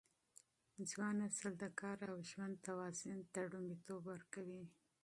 ځوان نسل د کار او ژوند توازن ته لومړیتوب ورکوي.